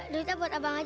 duitnya buat abang aja